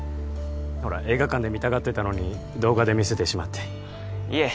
ほら映画館で見たがってたのに動画で見せてしまっていえ